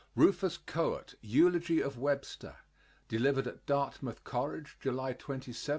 RUFUS CHOATE EULOGY OF WEBSTER Delivered at Dartmouth College, July 27, 1853.